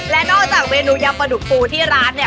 และนอกจากเมนูยำปลาดุกปูที่ร้านเนี่ย